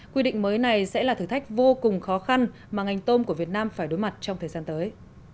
quy định mới này sẽ là thử thách vô cùng khó khăn mà ngành tôm của việt nam phải đối mặt trong thời gian tới